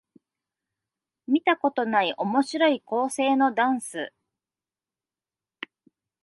見たことない面白い構成のダンス